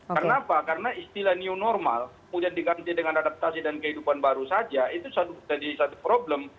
karena apa karena istilah new normal kemudian diganti dengan adaptasi dan kehidupan baru saja itu jadi satu problem